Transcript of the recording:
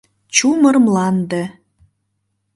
Чумыр мланде